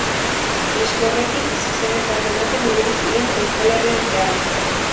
Disko horrekin zuzenekoak ematen ibili ziren Euskal Herrian zehar.